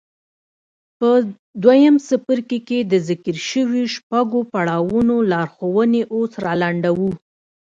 په دويم څپرکي کې د ذکر شويو شپږو پړاوونو لارښوونې اوس را لنډوو.